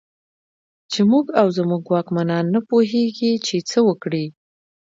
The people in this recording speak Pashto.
چې موږ او زموږ واکمنان نه پوهېږي چې څه وکړي.